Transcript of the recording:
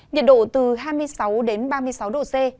nhiệt độ từ hai mươi sáu đến ba mươi sáu độ c